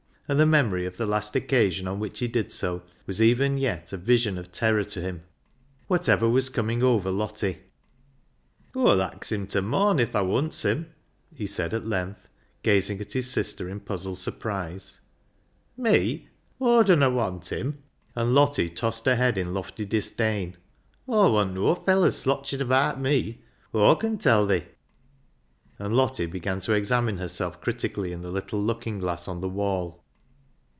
And the memory of the last occasion on which he did so was even yet a vision of terror to him. Whatever was coming over Lottie ?" Aw'll ax him ta morn if thaa wants him," he said at length, gazing at his sister in puzzled surprise. "Me? Aw dunna want him!" and Lottie tossed her head in lofty disdain. " Aw wantnoa felleys slotching abaat me, Aw con tell thi." And Lottie began to examine herself critically in the little looking glass on the wall.